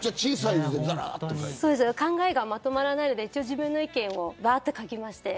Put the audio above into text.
考えがまとまらないので自分の意見をがーって書きまして